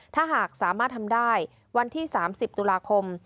ถ้าหากสามารถทำได้วันที่๓๐ตุลาคม